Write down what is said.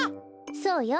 そうよ。